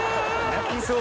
泣きそう。